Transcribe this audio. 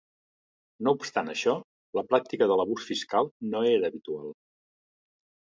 No obstant això, la pràctica de l'abús fiscal no era habitual.